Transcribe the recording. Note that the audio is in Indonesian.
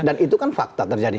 dan itu kan fakta terjadi